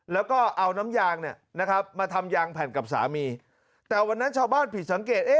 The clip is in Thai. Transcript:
แล้วก็เอาน้ำยางเนี่ยนะครับมาทำยางแผ่นกับสามีแต่วันนั้นชาวบ้านผิดสังเกต